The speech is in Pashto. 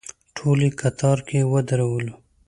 ټول یې کتار کې ودرولو.